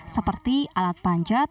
seperti alat panjat